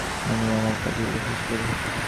আমি আমার কাজগুলো শেষ করি।